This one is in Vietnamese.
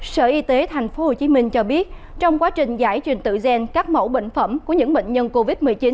sở y tế tp hcm cho biết trong quá trình giải trình tự gen các mẫu bệnh phẩm của những bệnh nhân covid một mươi chín